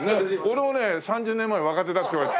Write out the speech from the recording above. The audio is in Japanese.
俺もね３０年前若手だって言われた。